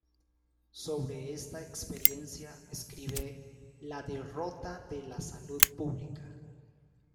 Sobre esta experiencia escribe "La Derrota de la salud pública.